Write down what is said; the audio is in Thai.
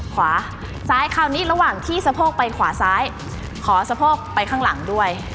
ขวาซ้ายคราวนี้ระหว่างที่สะโพกไปขวาซ้ายขอสะโพกไปข้างหลังด้วย